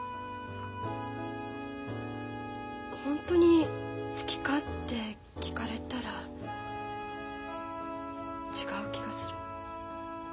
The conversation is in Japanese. ホントに好きかって聞かれたら違う気がする。